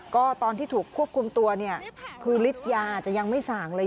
ก็ตอนที่ถูกควบคุมตัวเนี่ยคือฤทธิ์ยาจะยังไม่ส่างเลย